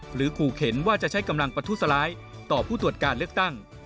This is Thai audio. ขู่เข็นว่าจะใช้กำลังประทุษร้ายต่อผู้ตรวจการเลือกตั้ง